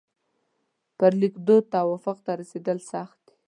پر لیکدود توافق ته رسېدل سخت دي.